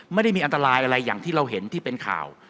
ไม่ได้มีอันตรายอะไรอย่างที่เราเห็นที่เป็นข่าว